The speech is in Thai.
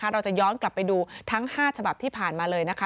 เราจะย้อนกลับไปดูทั้ง๕ฉบับที่ผ่านมาเลยนะคะ